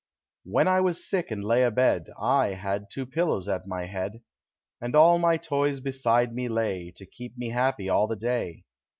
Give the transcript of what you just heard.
Wiien I was sick and lay a bed, I had two pillows at my head, And all mv tovs beside me lay To keep me happy all the day.